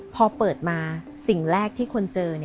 พอเปิดมาสิ่งแรกที่คนเจอ